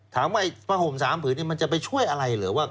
ถามว่าผ้าห่ม๓ผืนนี้มันจะไปช่วยอะไรเหรอว่า